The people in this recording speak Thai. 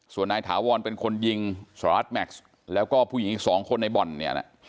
ส่วนนายถาวรเป็นคนยิงสหรัฐแม็กซ์แล้วก็ผู้หญิงอีกสองคนในบ่อนเนี่ยนะ